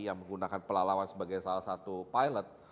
yang menggunakan pelalawan sebagai salah satu pilot